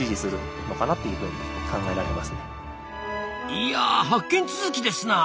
いや発見続きですなあ。